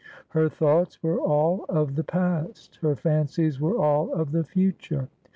Her thoughts were all of the past, her fancies were all of the future.